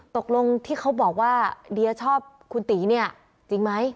ตกลงที่เขาบอกว่าเดียชอบคุณตีเนี่ยจริงไหม